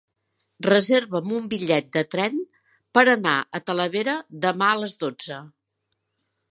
Reserva'm un bitllet de tren per anar a Talavera demà a les dotze.